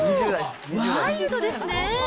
ワイルドですね。